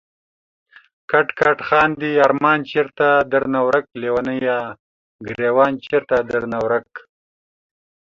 کټ کټ خاندی ارمان چېرته درنه ورک ليونيه، ګريوان چيرته درنه ورک